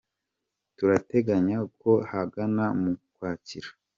turateganya ko ahagana mu Ukwakira.